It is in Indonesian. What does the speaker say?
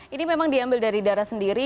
ini memang diambil dari darah sendiri